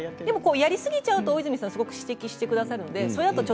でもやりすぎちゃうと大泉さんは、ちゃんと指摘してくださいます